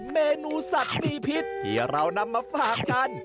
เมนูสัตว์มีพิษที่เรานำมาฝากกัน